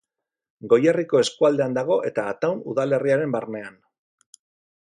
Goierriko eskualdean dago, eta Ataun udalerriaren barnean.